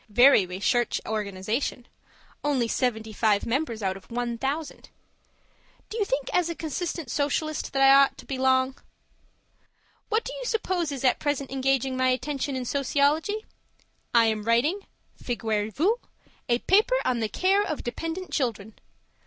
Very recherche organization. Only seventy five members out of one thousand. Do you think as a consistent Socialist that I ought to belong? What do you suppose is at present engaging my attention in sociology? I am writing (figurez vous!) a paper on the Care of Dependent Children.